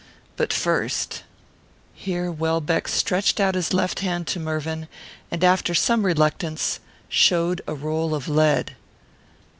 But first " Here Welbeck stretched out his left hand to Mervyn, and, after some reluctance, showed a roll of lead.